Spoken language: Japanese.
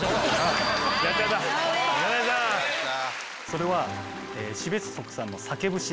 それは。